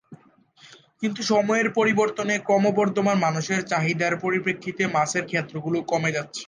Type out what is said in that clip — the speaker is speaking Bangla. কিন্তু সময়ের পরিবর্তনে ক্রমবর্ধমান মানুষের চাহিদার পরিপ্রেক্ষিতে মাছের ক্ষেত্রগুলো কমে যাচ্ছে।